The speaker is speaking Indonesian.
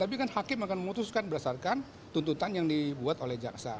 tapi kan hakim akan memutuskan berdasarkan tuntutan yang dibuat oleh jaksa